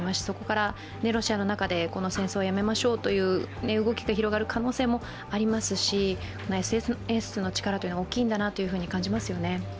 そこからロシアの中でこの戦争をやめましょうという動きが広がる可能性もありますしＳＮＳの力というのは、大きいんだなというふうに感じますよね。